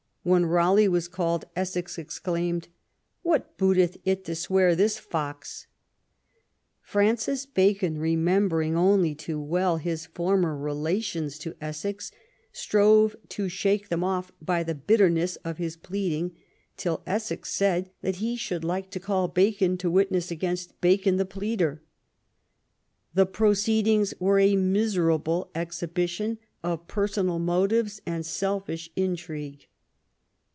When Raleigh was called, Essex exclaimed: What booteth it to swear this fox ?'* Francis Bacon, remembering only too well his former relations to Essex, strove to shake them ofiF by the bitterness of his pleading till Essex said that he should like " to call Bacon to witness against Bacon the pleader ". The proceedings were a miserable exhibition of personal motives and selfish intrigue.